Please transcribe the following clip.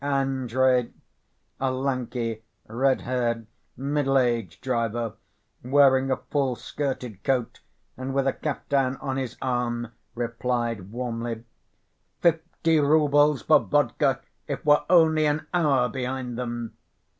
Andrey, a lanky, red‐haired, middle‐aged driver, wearing a full‐ skirted coat, and with a kaftan on his arm, replied warmly. "Fifty roubles for vodka if we're only an hour behind them."